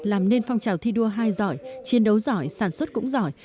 làm nên phong trào thi đua hai giỏi chiến đấu giỏi sản xuất cũng giỏi